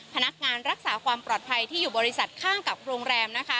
พนักงานรักษาความปลอดภัยที่อยู่บริษัทข้างกับโรงแรมนะคะ